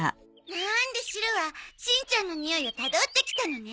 なんだシロはしんちゃんのにおいをたどってきたのね。